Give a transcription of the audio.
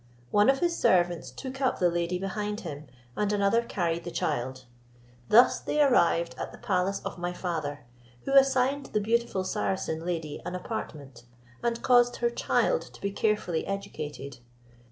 One of his servants took up the lady behind him, and another carried the child. Thus they arrived at the palace of my father, who assigned the beautiful Saracen lady an apartment, and caused her child to be carefully educated.